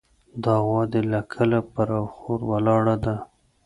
دا غوا دې له کله پر اخور ولاړه ده.